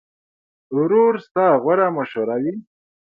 ورور ستا غوره مشوره وي.